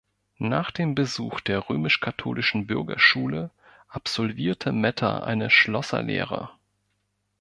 Nach dem Besuch der römisch-katholischen Bürgerschule absolvierte Metter eine Schlosserlehre.